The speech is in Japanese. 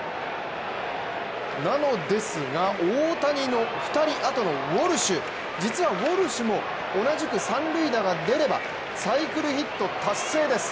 なのですが、大谷の２人あとのウォルシュ実はウォルシュも同じく三塁打が出ればサイクルヒット達成です。